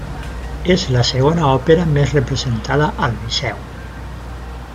És la segona òpera més representada al Liceu.